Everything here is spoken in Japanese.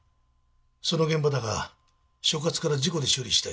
その現場だが所轄から事故で処理したいと報告を受けた。